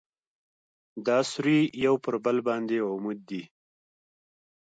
دا سوري یو پر بل باندې عمود دي.